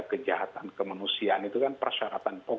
kejahatan kemanusiaan itu kan persyaratan pokok